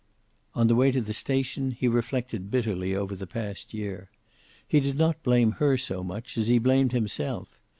On the way to the station he reflected bitterly over the past year. He did not blame her so much as he blamed himself.